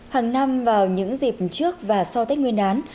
hàng năm vào những dịp trước và sau tết nguyên đán